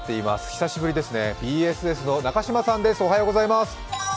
久しぶりですね、ＢＳＳの中島さんです。